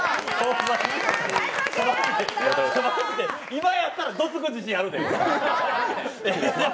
今やったらどつく自信あるで。